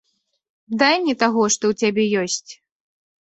Дай мне таго, што ў цябе ёсць.